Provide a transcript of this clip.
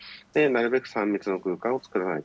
なるべく３密の空間を作らない。